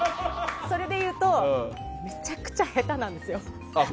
それでいうとめちゃくちゃ下手なんですよ